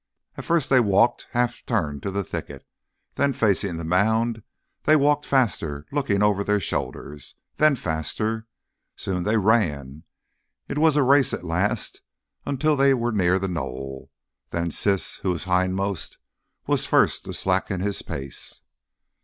At first they walked half turned to the thicket, then facing the mound they walked faster looking over their shoulders, then faster; soon they ran, it was a race at last, until they were near the knoll. Then Siss who was hindmost was first to slacken his pace.